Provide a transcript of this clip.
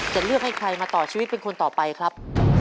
จะเลือกให้ใครมาต่อชีวิตเป็นคนต่อไปครับ